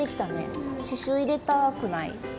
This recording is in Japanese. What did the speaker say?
刺しゅう入れたくない？